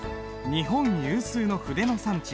日本有数の筆の産地